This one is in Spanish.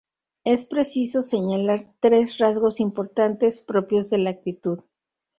Es preciso señalar tres rasgos importantes propios de la actitud.